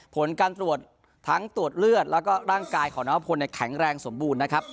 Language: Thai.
ผลการตรวจทั้งตรวจเลือดแล้วก็ร่างกายของน้องพลแข็งแรงสมบูรณ์นะครับ